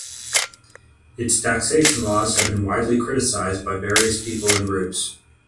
Its taxation laws have been widely criticised by various people and groups.